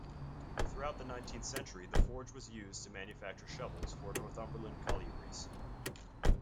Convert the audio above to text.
Throughout the nineteenth century the forge was used to manufacture shovels for Northumberland collieries.